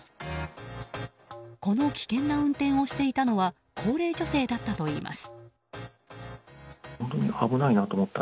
この危険な運転をしていたのは高齢女性だったといいます。